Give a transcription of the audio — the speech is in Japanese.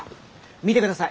見てください